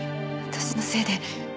私のせいで。